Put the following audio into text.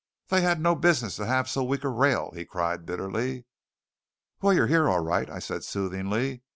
"They had no business to have so weak a rail!" he cried bitterly. "Well, you're here, all right," I said soothingly.